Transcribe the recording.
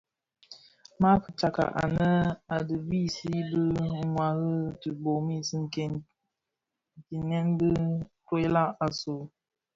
Ma fitsa anë a dhi bisi bi ňwari tibomis nken kimèn dhi toilag asu,